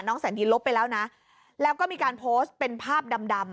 แสนดีลบไปแล้วนะแล้วก็มีการโพสต์เป็นภาพดำดำอ่ะ